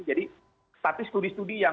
jadi tapi studi studi yang